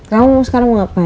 kamu sekarang mau ngapain